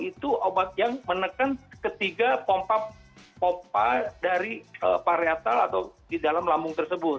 itu obat yang menekan ketiga pompa pompa dari varietal atau di dalam lambung tersebut